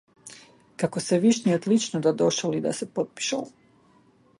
Како севишниот лично да дошол и да се потпишал.